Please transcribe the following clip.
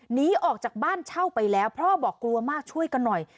หนีออกจากบ้านเช่าไปแล้วพ่อบอกกลัวมากช่วยกันหน่อย